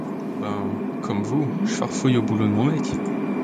Ben, comme vous, je farfouille au boulot de mon mec.